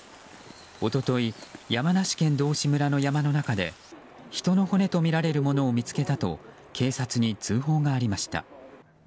一昨日、山梨県道志村の山の中で人の骨とみられるものを見つけたと警察に通報がありました。